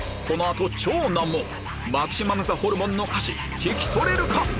この後超難問マキシマムザホルモンの歌詞聞き取れるか⁉